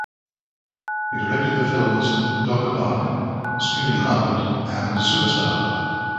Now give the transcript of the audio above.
He directed the films "Dog Park", "Stealing Harvard" and "Superstar".